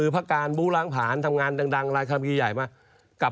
๓๓ตำแหน่งเนี่ยกับ๖๗